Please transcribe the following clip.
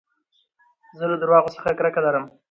زه له درواغو څخه کرکه لرم.